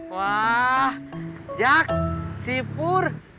wah jack sipur